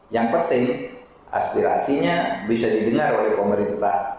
yang penting aspirasinya bisa didengar oleh pemerintah